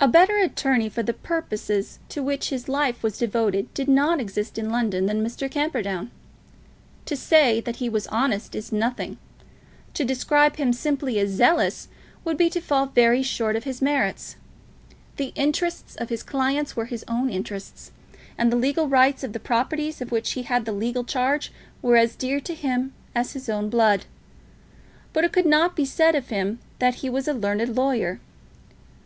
A better attorney, for the purposes to which his life was devoted, did not exist in London than Mr. Camperdown. To say that he was honest, is nothing. To describe him simply as zealous, would be to fall very short of his merits. The interests of his clients were his own interests, and the legal rights of the properties of which he had the legal charge, were as dear to him as his own blood. But it could not be said of him that he was a learned lawyer.